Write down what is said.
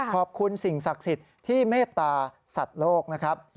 ขอบคุณสิ่งศักดิ์สิทธิ์ที่เมตตาสัตว์โลกนะครับ